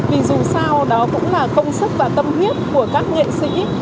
vì dù sao đó cũng là công sức và tâm huyết của các nghệ sĩ